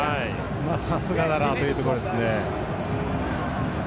さすがだなというところですね。